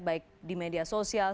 baik di media sosial